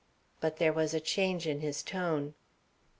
But there was a change in his tone.